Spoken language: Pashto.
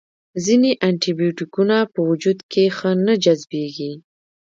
ځینې انټي بیوټیکونه په وجود کې ښه نه جذبیږي.